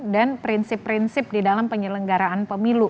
dan prinsip prinsip di dalam penyelenggaraan pemilu